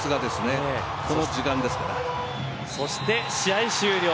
そして試合終了。